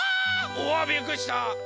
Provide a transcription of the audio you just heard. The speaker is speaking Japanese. おわっびっくりした！